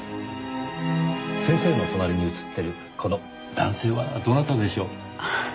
先生の隣に写ってるこの男性はどなたでしょう？